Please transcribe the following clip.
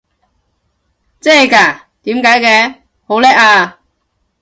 真係嘎？點解嘅？好叻啊！